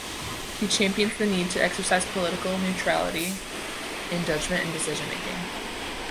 He champions the need to exercise political neutrality in judgement and decision making.